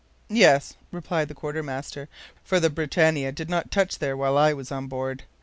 "Yes," replied the quartermaster, "for the BRITANNIA did not touch there while I was on board.